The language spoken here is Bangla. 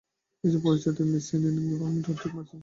নিজের পরিচয় দেই, মিস অ্যানিং, আমি রড্রিক মার্চিসন।